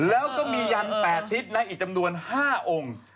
แล้วก็มียัน๘ทิศนะอีกจำนวน๕องค์